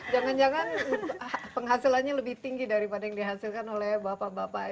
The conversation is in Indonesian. jangan jangan penghasilannya lebih tinggi daripada yang dihasilkan oleh bapak bapak